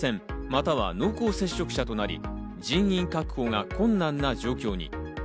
または濃厚接触者となり、人員確保が困難な状況に。